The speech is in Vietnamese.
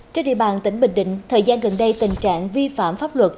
trên địa bàn tỉnh bình định thời gian gần đây tình trạng vi phạm pháp luật